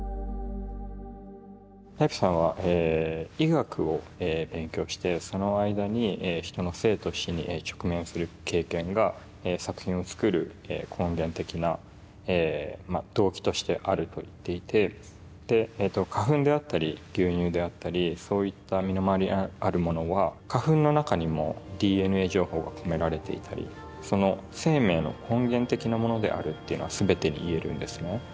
ライプさんは医学を勉強してその間に人の生と死に直面する経験が作品を創る根源的な動機としてあると言っていて花粉であったり牛乳であったりそういった身の回りにあるものは花粉の中にもＤＮＡ情報が込められていたりその生命の根源的なものであるっていうのは全てに言えるんですね。